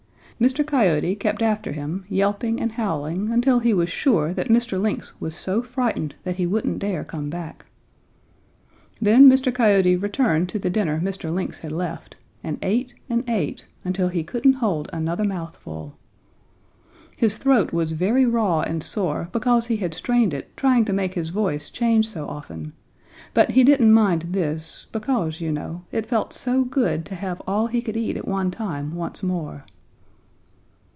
Mr. Coyote kept after him, yelping and howling, until he was sure that Mr. Lynx was so frightened that he wouldn't dare come back. Then Mr. Coyote returned to the dinner Mr. Lynx had left, and ate and ate until he couldn't hold another mouthful. His throat was very raw and sore because he had strained it trying to make his voice change so often, but he didn't mind this, because, you know, it felt so good to have all he could eat at one time once more.